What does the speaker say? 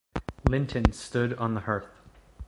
Linton stood on the hearth.